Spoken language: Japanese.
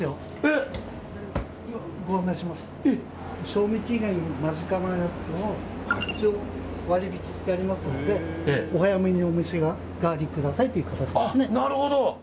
賞味期限間近のやつを割引してありますのでお早めにお召し上がりくださいという形ですね。